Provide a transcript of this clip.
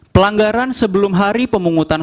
pelanggaran sebelum hari pemungutan